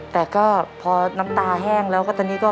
แต่ก็พอน้ำตาแห้งแล้ว